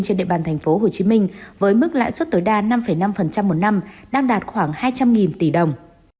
trên địa bàn thành phố hồ chí minh với mức lãi suất tối đa năm năm một năm đang đạt khoảng hai trăm linh tỷ đồng